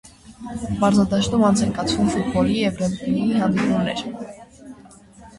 Մարզադաշտում անց են կացվում ֆուտբոլի և ռեգբիի հանդիպումներ։